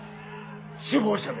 首謀者め！